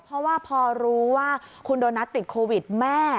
เพราะว่าพอรู้ว่าคุณโดนัทติดโควิดแม่